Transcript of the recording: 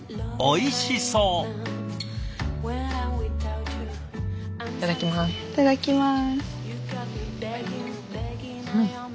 いただきます。